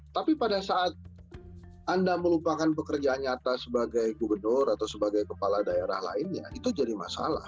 tapi pada saat anda melupakan pekerjaan nyata sebagai gubernur atau sebagai kepala daerah lainnya itu jadi masalah